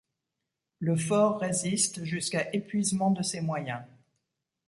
Le fort résiste jusqu'à épuisement de ses moyens.